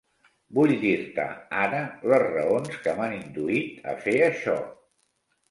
Vull dir-te ara les raons que m'han induït a fer això.